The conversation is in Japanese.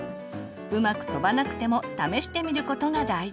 うまく飛ばなくても試してみることが大事。